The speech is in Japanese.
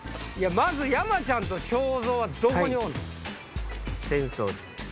まず山ちゃんと章造はどこにおんの？